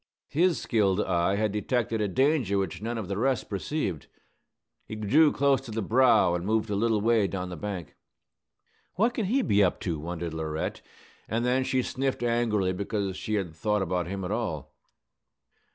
His skilled eye had detected a danger which none of the rest perceived. He drew close to the brow, and moved a little way down the bank. "What can he be up to?" wondered Laurette; and then she sniffed angrily because she had thought about him at all.